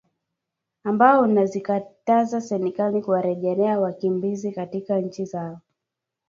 ambao unazikataza serikali kuwarejesha wakimbizi katika nchi zao